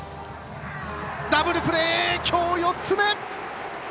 ダブルプレーきょう４つ目！